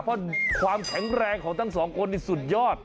เพราะความแข็งแรงของทั้งสองคนนี่สุดยอด